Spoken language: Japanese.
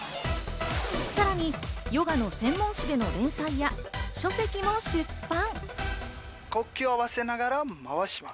さらにヨガの専門誌での連載や書籍も出版。